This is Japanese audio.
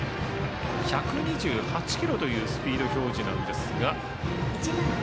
１２８キロというスピード表示ですが。